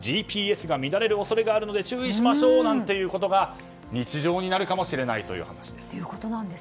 ＧＰＳが乱れる恐れがあるので注意しましょうなんてことが日常になるかもしれないという話です。